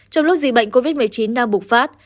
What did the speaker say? trong lúc dịch bệnh covid một mươi chín đang bùng phát